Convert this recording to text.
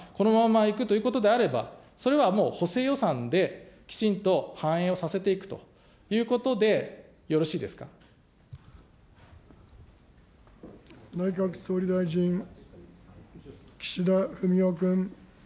ところがこのままいくということであれば、それはもう補正予算できちんと反映をさせていくという内閣総理大臣、岸田文雄君。